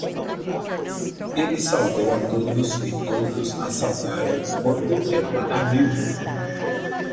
Ele saudou a todos e todos a saudaram quando ela a viu.